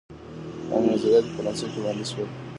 دا نظریات په فرانسه کي وړاندې سول.